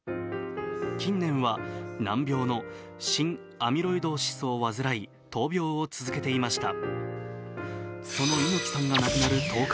近年は難病の心アミロイドーシスを患い闘病を続けていました。